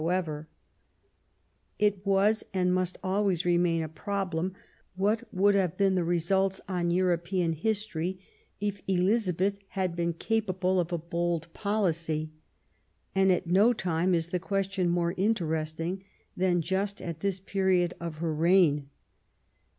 THE EXCOMMUNICATION OF ELIZABETH, 147 It was and must always remain a problem, what would have been the results on European history if Elizabeth had been capable of a bold policy ; and at no time is the question more interesting than just at this period of her reign.